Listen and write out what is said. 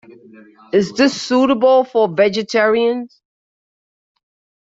Is this suitable for vegetarians?